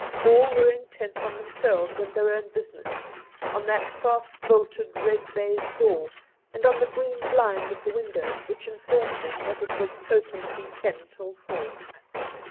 All were intent on themselves and their own business; on that fast bolted red baize door, and on the green blind of the windows, which informed them that it was "open from ten till four."